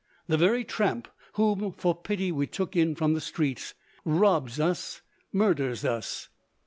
The very tramp whom, for pity, we took in from the street, robs us, or murders us.